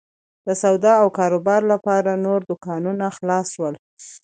د سودا او کاروبار لپاره نور دوکانونه خلاص شول.